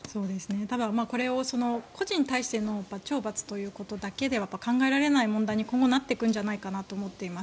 ただ、これを個人に対しての懲罰というだけでは考えられない問題に今後なっていくんじゃないかと思っています。